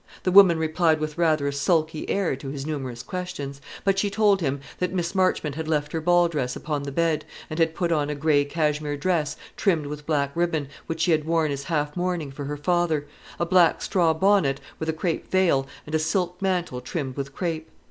The woman replied with rather a sulky air to his numerous questions; but she told him that Miss Marchmont had left her ball dress upon the bed, and had put on a gray cashmere dress trimmed with black ribbon, which she had worn as half mourning for her father; a black straw bonnet, with a crape veil, and a silk mantle trimmed with crape.